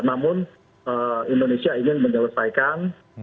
namun indonesia ingin menyelesaikan permasalahan yang paling urgent ya